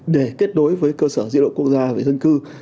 để kết đối với cơ sở diện độ quốc gia và dân cư